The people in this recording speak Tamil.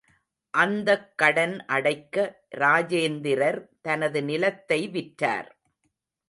அந்தக் கடன் அடைக்க இராஜேந்திரர் தனது நிலத்தை விற்றார்.